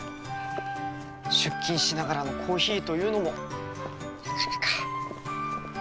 出勤しながらのコーヒーというのもなかなか。